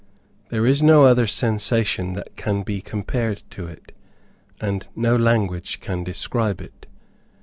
There is no other sensation that can be compared to it, and no language can describe it.